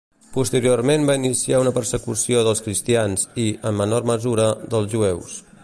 Posteriorment va iniciar una persecució dels cristians i, en menor mesura, dels jueus.